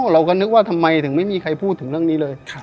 เราก็นึกว่าทำไมถึงไม่มีใครพูดถึงเรื่องนี้เลย